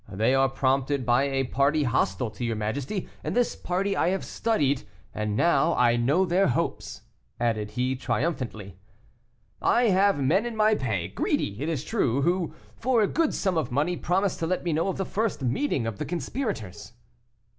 They are prompted by a party hostile to your majesty, and this party I have studied, and now I know their hopes," added he, triumphantly. "I have men in my pay, greedy, it is true, who, for a good sum of money, promised to let me know of the first meeting of the conspirators."